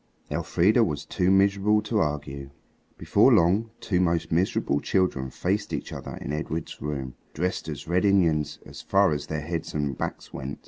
Elfrida was too miserable to argue. Before long two most miserable children faced each other in Edred's bedroom, dressed as Red Indians so far as their heads and backs went.